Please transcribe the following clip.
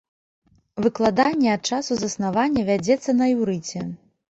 Выкладанне ад часу заснавання вядзецца на іўрыце.